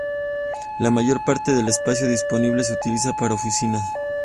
La mayor parte del espacio disponible se utilizará para oficinas.